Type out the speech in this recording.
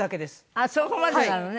あっそこまでなのね。